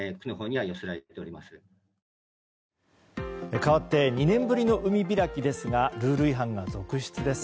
かわって２年ぶりの海開きですがルール違反が続出です。